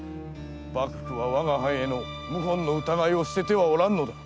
幕府は我が藩への謀反の疑いを捨ててはおらんのだ。